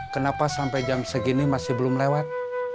kenapa sampai jam segini masih belum lewat